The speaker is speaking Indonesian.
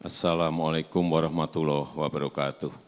assalamualaikum warahmatullahi wabarakatuh